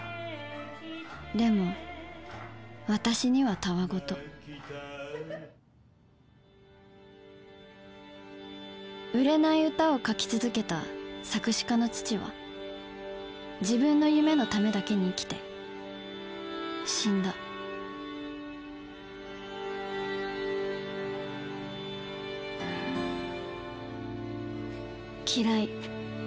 でも私にはたわ言売れない歌を書き続けた作詞家の父は自分の夢のためだけに生きて死んだ嫌い。